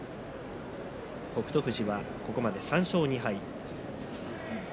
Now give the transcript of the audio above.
富士がここまで３勝２敗。